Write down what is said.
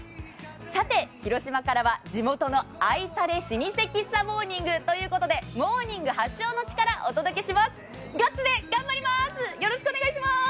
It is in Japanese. さて、広島からは地元の愛され老舗喫茶モーニングということでモーニング発祥の地からお届けします、ガッツで頑張ります！